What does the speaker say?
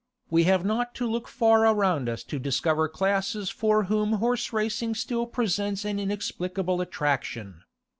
We have not to look far around us to discover classes for whom horse racing still presents an inexplicable attraction.